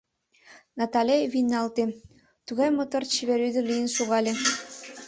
Натале вийналте — тугай мотор-чевер ӱдыр лийын шогале.